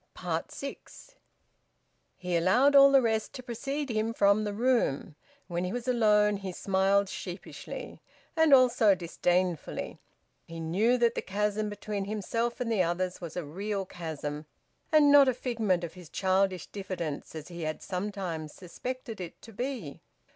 SIX. He allowed all the rest to precede him from the room. When he was alone he smiled sheepishly, and also disdainfully; he knew that the chasm between himself and the others was a real chasm, and not a figment of his childish diffidence, as he had sometimes suspected it to be.